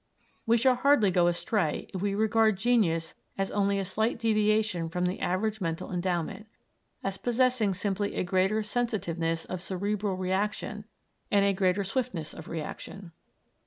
We shall hardly go astray if we regard genius as only a slight deviation from the average mental endowment as possessing simply a greater sensitiveness of cerebral reaction and a greater swiftness of reaction.